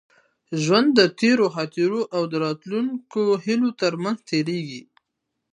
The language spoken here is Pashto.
ژوند د تېرو خاطرو او راتلونکو هیلو تر منځ تېرېږي.